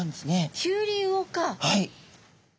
はい。